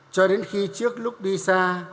cho đến khi trước lúc đi xa